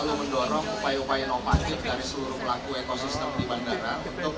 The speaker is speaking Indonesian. selalu mendorong upaya upaya no patip dari seluruh pelaku ekosistem di bandara